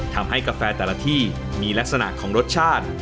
ทำให้กาแฟแต่ละที่มีลักษณะของรสชาติ